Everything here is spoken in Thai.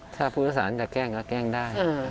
ถ้าผู้งานสาหรัฐจะแก้งก็แก้งได้